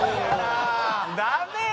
ダメよ！